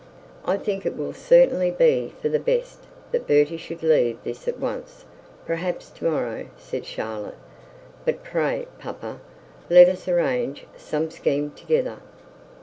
'I think it will certainly be for the best that Bertie should leave this at once, perhaps to morrow,' said Charlotte; 'but pray, papa, let us arrange some scheme together.'